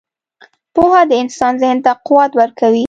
• پوهه د انسان ذهن ته قوت ورکوي.